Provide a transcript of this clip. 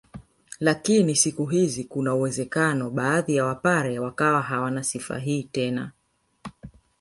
Lakini siku hizi kuna uwezekano baadhi ya wapare wakawa hawana sifa hii tena